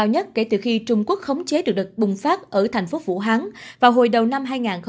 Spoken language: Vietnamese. tất cả chuyện có thể được bắt nability kể từ khi trung quốc khống chế được đợt bùng phát ở tp vũ hán vào hồi đầu năm hai nghìn hai mươi